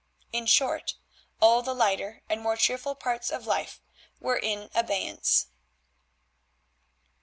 In short all the lighter and more cheerful parts of life were in abeyance.